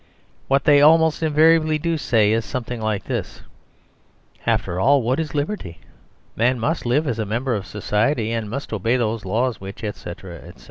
What they almost invariably do say is something like this: "After all, what is liberty? Man must live as a member of a society, and must obey those laws which, etc., etc."